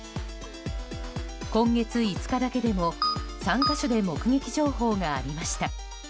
今月５日だけでも３か所で目撃情報がありました。